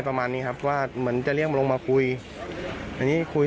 ประมาณนี้ครับว่าเหมือนจะเรียกลงมาคุยอันนี้คุย